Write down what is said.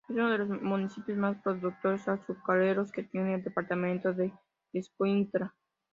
Es uno de los municipios más productores azucareros que tiene el departamento de Escuintla.